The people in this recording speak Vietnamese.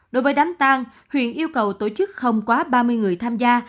đối với đám tang huyện yêu cầu tổ chức không quá ba mươi người tham gia